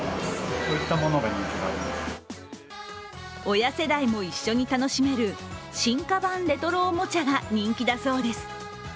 親世代も一緒に楽しめる進化版レトロおもちゃが人気だそうです。